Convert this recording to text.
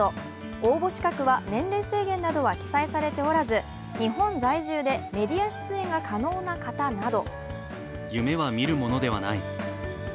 応募資格は年齢制限などは記載されておらず、日本在住でメディア出演が可能な方など。